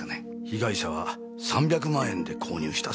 被害者は３００万円で購入したそうです。